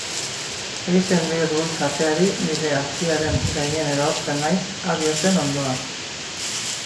Egiten diot bultza ateari, nire aulkiaren gainean erortzen naiz, Aliasen ondoan.